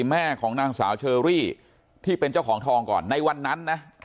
แม่ของนางสาวเชอรี่ที่เป็นเจ้าของทองก่อนในวันนั้นนะ